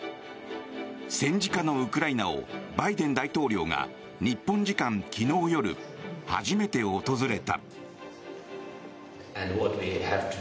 戦時下のウクライナをバイデン大統領が日本時間昨日夜初めて訪れた。